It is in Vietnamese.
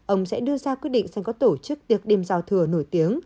ông sẽ đưa ra quyết định xem có tổ chức tiệc đêm giao thừa nổi tiếng